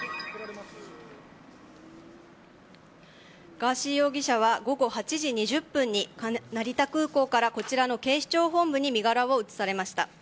ガーシー容疑者は午後８時２０分に成田空港からこちらの警視庁本部に身柄を移されました。